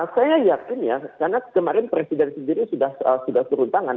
saya yakin ya karena kemarin presiden sendiri sudah turun tangan